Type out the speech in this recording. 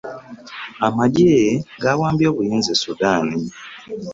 Amagye gawambye obuyinza e Sudan.